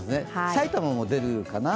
埼玉も出るかな。